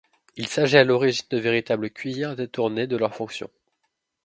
Il s'agit à l'origine de véritables cuillère détournées de leurs fonctions.